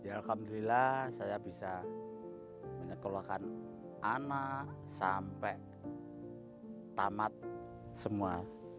alhamdulillah saya bisa menyekolahkan anak sampai tamat semua